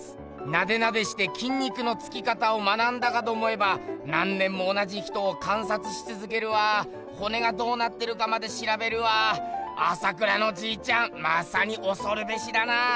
ナデナデして筋肉のつき方を学んだかと思えば何年も同じ人を観察しつづけるわ骨がどうなってるかまでしらべるわ朝倉のじいちゃんまさにおそるべしだなあ。